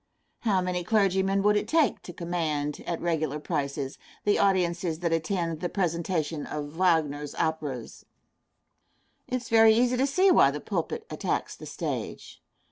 How many clergymen would it take to command, at regular prices, the audiences that attend the presentation of Wagner's operas? It is very easy to see why the pulpit attacks the stage.